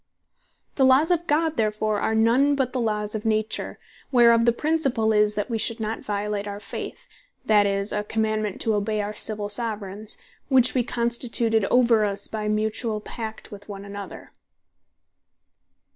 The Laws of God therefore are none but the Laws of Nature, whereof the principall is, that we should not violate our Faith, that is, a commandement to obey our Civill Soveraigns, which wee constituted over us, by mutuall pact one with another.